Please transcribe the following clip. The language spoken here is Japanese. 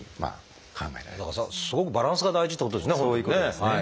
すごくバランスが大事ってことですね。